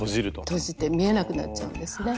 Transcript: とじて見えなくなっちゃうんですね。